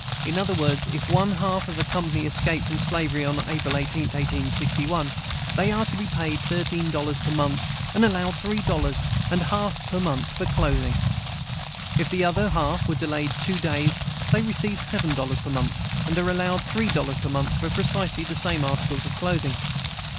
In other words, if one half of a company escaped from slavery on April 18, 1861, they are to be paid thirteen dollars per month and allowed three dollars and a half per month for clothing. If the other half were delayed two days, they receive seven dollars per month and are allowed three dollars per month for precisely the same articles of clothing.